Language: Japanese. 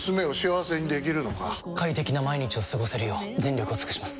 快適な毎日を過ごせるよう全力を尽くします！